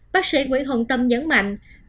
bác sĩ nguyễn hồng tâm nhấn mạnh